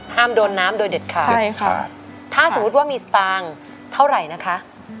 โดนน้ำโดยเด็ดขาดใช่ค่ะถ้าสมมุติว่ามีสตางค์เท่าไหร่นะคะ